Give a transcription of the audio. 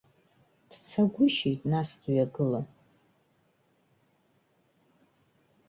Дцагәышьеит нас дҩагылан.